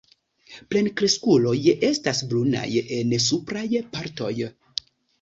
Plenkreskuloj estas brunaj en supraj partoj.